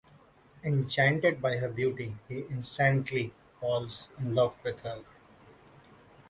Enchanted by her beauty, he instantly falls in love with her.